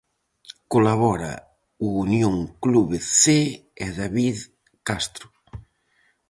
Colabora o Unión Club Cee e David Castro.